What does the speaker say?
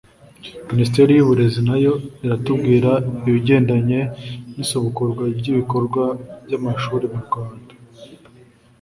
Ministeri y'uburezi nayo iratubwira ibigendanye n'isubukurwa ry'ibikorwa by'amashuri mu Rwanda.